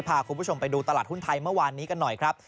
พาคุณผู้ชมไปดูตลาดหุ้นไทยเมื่อวานนี้กันหน่อยครับ